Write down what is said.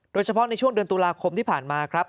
โดยเฉพาะในช่วงเดือนตุลาคมที่ผ่านมาครับ